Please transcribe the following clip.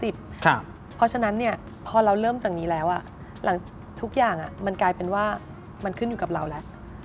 เพราะฉะนั้นพอเราเริ่มจากนี้แล้วทุกอย่างมันกลายเป็นว่ามันขึ้นอยู่กับเราแล้ว